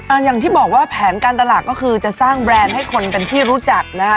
อย่างที่บอกว่าแผนการตลาดก็คือจะสร้างแบรนด์ให้คนเป็นที่รู้จักนะคะ